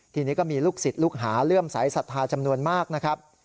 ทีนี้ก็มีลูกศิษย์ลูกหาเลื่อมสายศรัทธาจำนวนมากนะครับ